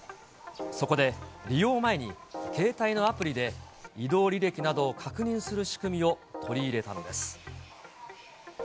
そこで利用前に、携帯のアプリで移動履歴などを確認する仕組みを取り入れたのです。